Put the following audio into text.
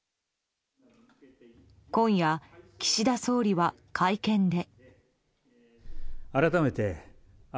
今夜、岸田総理は会見で。